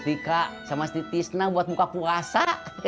tika sama setiap tisna buat buka puasa